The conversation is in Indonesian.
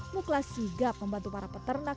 muklah sigap membantu para peternak